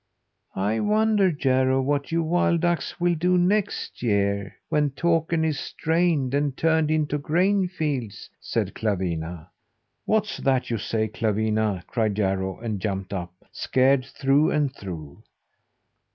"I wonder, Jarro, what you wild ducks will do next year, when Takern is drained and turned into grain fields?" said Clawina. "What's that you say, Clawina?" cried Jarro, and jumped up scared through and through.